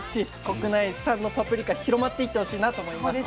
国内産のパプリカ広まっていってほしいなと思います。